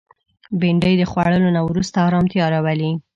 بېنډۍ د خوړلو نه وروسته ارامتیا راولي